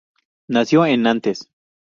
Nació en Nantes.